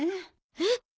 えっ？